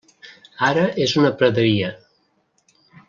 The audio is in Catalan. Ara és una praderia.